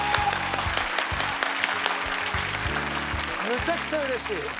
めちゃくちゃ嬉しい。